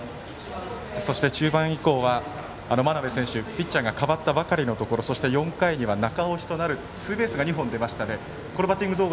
そして、中盤以降は真鍋選手、ピッチャーが代わったばかりのところ４回には中押しとなるツーベースが２本出ましたね。